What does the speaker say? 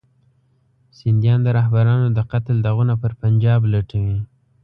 سندیان د رهبرانو د قتل داغونه پر پنجاب لټوي.